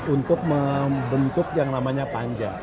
untuk membentuk yang namanya panja